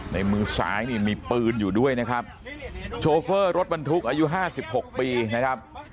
ในมือซ้ายนี่มีปืนอยู่ด้วยนะครับโชเฟอร์รถบรรทุกอายุห้าสิบหกปีนะครับ